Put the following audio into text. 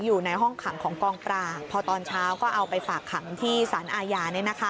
อยู่ในห้องขังของกองปราบพอตอนเช้าก็เอาไปฝากขังที่สารอาญา